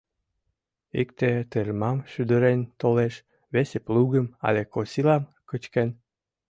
Икте тырмам шӱдырен толеш, весе плугым але косилам кычкен.